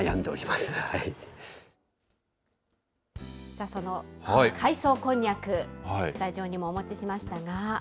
さあ、その海藻こんにゃく、スタジオにもお持ちしましたが。